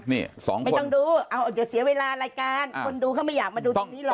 ไม่ต้องดูเดี๋ยวเสียเวลารายการคนดูก็ไม่อยากมาดูทีนี้หรอก